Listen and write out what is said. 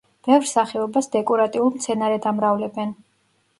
ბევრ სახეობას დეკორატიულ მცენარედ ამრავლებენ.